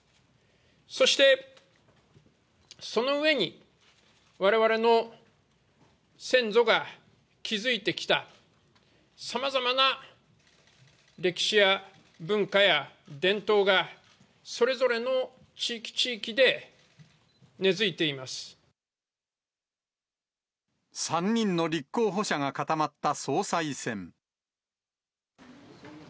そして、その上にわれわれの先祖が築いてきた、さまざまな歴史や文化や伝統が、それぞれの地域、３人の立候補者が固まった総裁選。